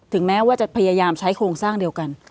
แม้ว่าจะพยายามใช้โครงสร้างเดียวกัน